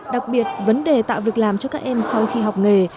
đặc biệt vấn đề tạo việc làm cho các em sau khi học nghề